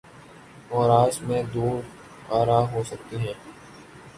اوراس میں دو آرا ہو سکتی ہیں۔